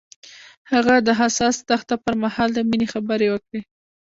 هغه د حساس دښته پر مهال د مینې خبرې وکړې.